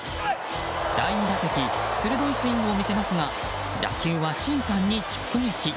第２打席鋭いスイングを見せますが打球は審判に直撃。